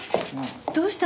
どうしたの？